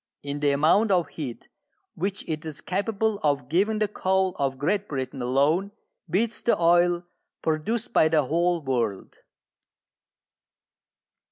In the amount of heat which it is capable of giving the coal of Great Britain alone beats the oil produced by the whole world.